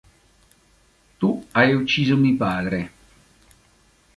Tu hai ucciso mi padre.